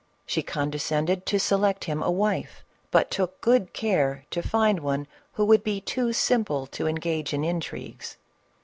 She condescended to select him a wife, but took good care to find one who would be too simple to engage in intrigues.